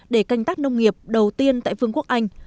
để canh tác nông nghiệp đầu tiên tại vương quốc anh